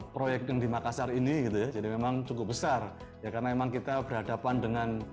proyek yang di makassar ini gitu ya jadi memang cukup besar ya karena memang kita berhadapan dengan